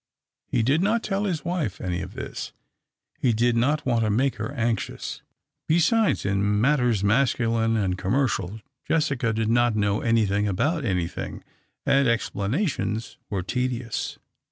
He did not tell his wife any of this. He did not want to make her anxious. Besides, in matters masculine and commercial, Jessica did not know anything about anything, and explanations were tedious.